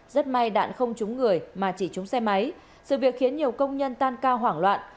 rất may đạn không trúng người mà chỉ trúng xe máy sự việc khiến nhiều công nhân tan cao hoảng loạn